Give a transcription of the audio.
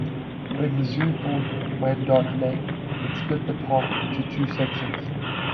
When the zoo bought Wyandot Lake, it split the park into two sections.